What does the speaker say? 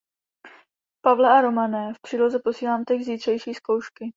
Pavle a Romane, v příloze posílám text zítřejší zkoušky.